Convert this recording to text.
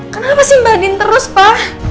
kenapa sih mbak andin terus pa